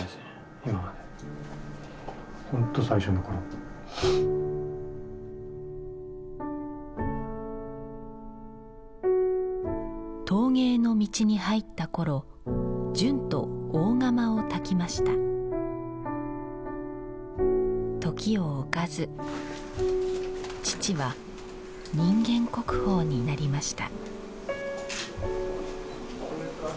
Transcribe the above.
今までホント最初の頃陶芸の道に入った頃淳と大窯を焚きました時を置かず父は人間国宝になりました